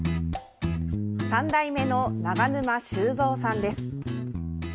３代目の長沼秀三さんです。